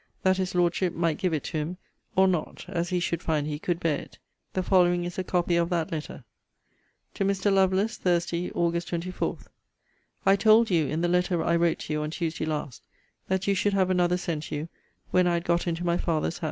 that his Lordship might give it to him, or not, as he should find he could bear it. The following is a copy of that letter: TO MR. LOVELACE THURSDAY, AUG. 24. I told you, in the letter I wrote to you on Tuesday last,* that you should have another sent you when I had got into my father's house.